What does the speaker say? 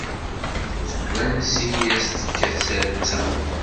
Seg wansi i as-d-tekka tsarut-a?